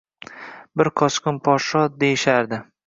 Bir qochqin podsho, deyishardi.